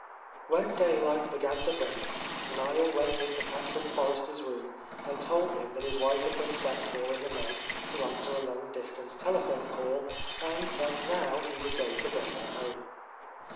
When daylight began to break Niel went into Captain Forrester's room and told him that his wife had been sent for in the night to answer a long distance telephone call, and that now he was going to bring her home.